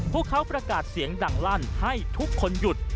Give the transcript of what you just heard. พวกเขาประกาศเสียงดังลั่นให้ทุกคนหยุด